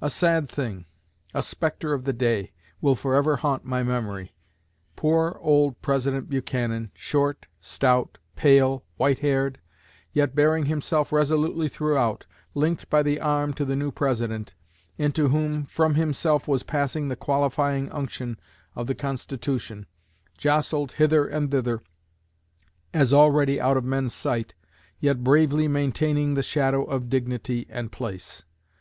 A sad thing a spectre of the day will forever haunt my memory: Poor old President Buchanan, short, stout, pale, white haired, yet bearing himself resolutely throughout, linked by the arm to the new President, into whom from himself was passing the qualifying unction of the Constitution, jostled hither and thither, as already out of men's sight, yet bravely maintaining the shadow of dignity and place.